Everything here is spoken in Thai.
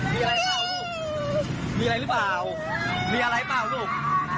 มีอะไรเปล่าลูกมีอะไรหรือเปล่ามีอะไรเปล่าลูก